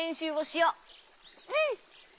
うん！